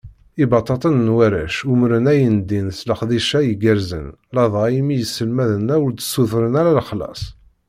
Ibabaten n warrac umren ayendin s leqdic-a igerrzen, ladɣa imi iselmaden-a ur d-ssutren ara lexlaṣ.